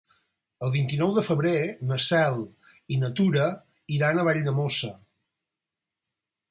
El vint-i-nou de febrer na Cel i na Tura iran a Valldemossa.